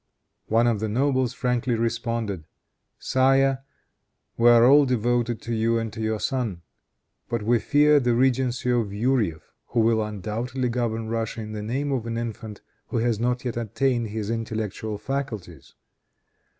One of the nobles frankly responded, "Sire, we are all devoted to you and to your son. But we fear the regency of Yourief, who will undoubtedly govern Russia in the name of an infant who has not yet attained his intellectual faculties.